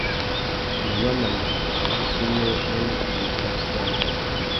Nà mamana, magussénô mà nu djïmú săssā.